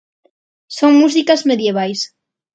Son músicas medievais.